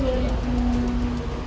dia tanya main apa